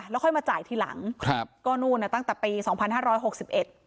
แล้วค่อยมาจ่ายทีหลังครับก็นู่นน่ะตั้งแต่ปีสองพันห้าร้อยหกสิบเอ็ด